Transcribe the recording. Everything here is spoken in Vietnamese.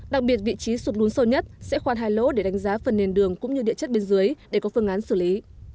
đặc biệt vị trí sụt lún sâu nhất sẽ khoan hai lỗ để đánh giá phần nền đường cũng như địa chất bên dưới để có phương án xử lý